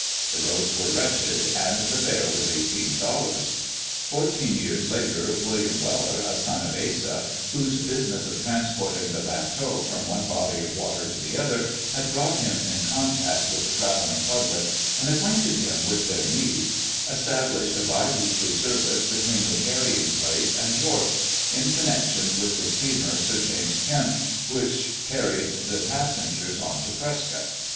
The roads were wretched, and the fare was eighteen dollars. Fourteen years later William Weller, a son of Asa, whose business of transporting the bateaux from one body of water to the other had brought him in contact with the travelling public and acquainted him with their needs, established a bi weekly service between the Carrying Place and York, in connection with the steamer Sir James Kempt, which carried the passengers on to Prescott.